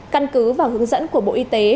căn cứ và hướng dẫn của bộ y tế